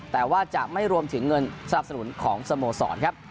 แต่ว่าจะไม่รวมถึงเงินสนับสนุนของสโมสรครับ